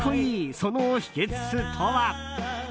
その秘訣とは。